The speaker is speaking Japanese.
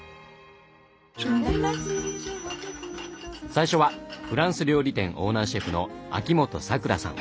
最初はフランス料理店オーナーシェフの秋元さくらさん。